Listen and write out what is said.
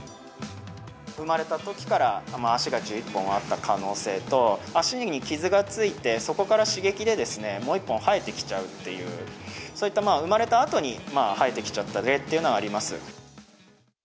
生まれたときから、足が１１本あった可能性と、足に傷がついて、そこから刺激でですね、もう１本生えてきちゃうという、そういった生まれたあとに生えてきちゃった例というのはあります。